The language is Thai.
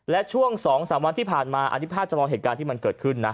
และช่วงสองสามวันที่ผ่านมาอธิภาษณ์จะลองเหตุการณ์ที่มันเกิดขึ้นนะ